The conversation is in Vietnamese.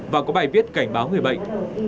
và có bài viết cảnh báo người bệnh